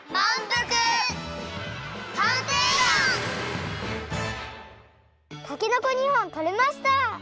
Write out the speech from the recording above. たけのこ２ほんとれました！